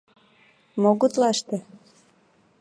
Мо гутлаште?